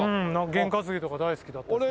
験担ぎとか大好きだったですね。